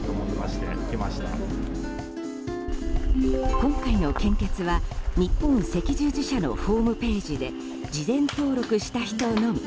今回の献血は日本赤十字社のホームページで事前登録した人のみ。